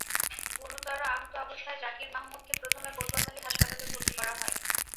গুরুতর আহত অবস্থায় জাকির মাহমুদকে প্রথমে পটুয়াখালী হাসপাতালে ভর্তি করা হয়।